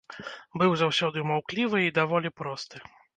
Быў заўсёды маўклівы і даволі просты.